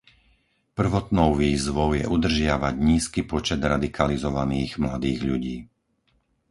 Prvotnou výzvou je udržiavať nízky počet radikalizovaných mladých ľudí.